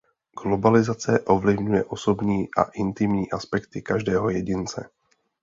Globalizace ovlivňuje osobní a intimní aspekty každého jednotlivce.